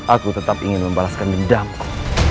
aku tetap ingin membalaskan dendamku